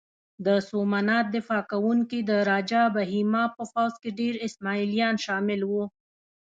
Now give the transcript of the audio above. د سومنات دفاع کوونکي د راجه بهیما په پوځ کې ډېر اسماعیلیان شامل وو.